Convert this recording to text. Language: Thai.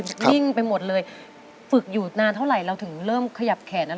นิ่งไปหมดเลยฝึกอยู่นานเท่าไหร่เราถึงเริ่มขยับแขนอะไร